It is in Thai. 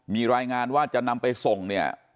มีรายงานว่าจะนำไปส่งเนี่ย